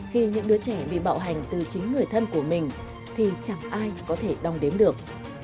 khi những đứa trẻ bị bạo hành từ chính người thân của mình thì chẳng ai có thể đong đếm được